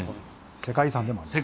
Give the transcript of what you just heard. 世界遺産でもありますね。